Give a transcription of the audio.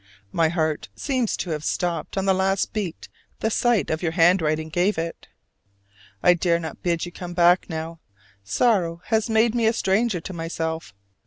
My heart seems to have stopped on the last beat the sight of your handwriting gave it. I dare not bid you come back now: sorrow has made me a stranger to myself.